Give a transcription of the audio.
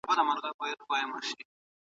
د ماشومانو روزنه یوازي د دولت مسوولیت نه دی.